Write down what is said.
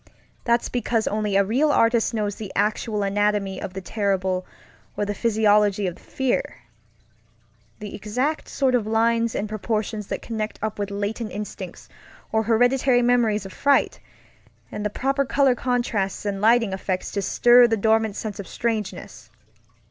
That's because only a real artist knows the actual anatomy of the terrible or the physiology of fearŌĆöthe exact sort of lines and proportions that connect up with latent instincts or hereditary memories of fright, and the proper color contrasts and lighting effects to stir the dormant sense of strangeness.